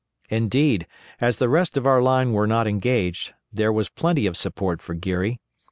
Indeed, as the rest of our line were not engaged, there was plenty of support for Geary.